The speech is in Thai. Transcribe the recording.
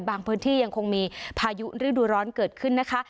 พื้นที่ยังคงมีพายุฤดูร้อนเกิดขึ้นนะคะ